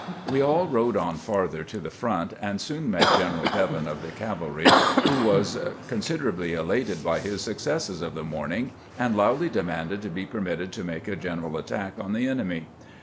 We all rode on farther to the front, and soon met General Devin of the cavalry, who was considerably elated by his successes of the morning, and loudly de manded to be permitted to make a general attack on the enemy.